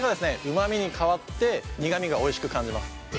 旨味に変わって苦味がおいしく感じます。